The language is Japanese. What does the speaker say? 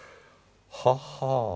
ははあ